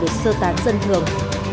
được sơ tán dân thường